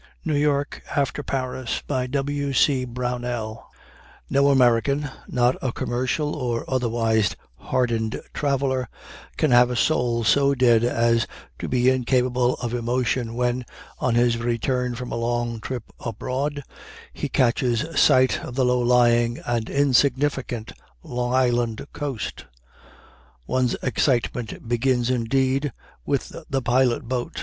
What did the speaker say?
NEW YORK AFTER PARIS W. C. BROWNELL No American, not a commercial or otherwise hardened traveler, can have a soul so dead as to be incapable of emotion when, on his return from a long trip abroad, he catches sight of the low lying and insignificant Long Island coast. One's excitement begins, indeed, with the pilot boat.